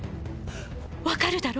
分かるだろ？